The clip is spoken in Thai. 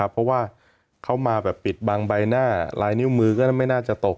เพราะว่าเข้ามาปิดบางใบหน้าร้ายนิ้วมือได้ไปไม่น่าจะตก